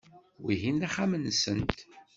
Wihin d axxam-nsent.